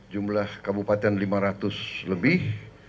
jumlah kabupaten lima ratus lebih